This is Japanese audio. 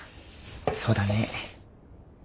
そうだね。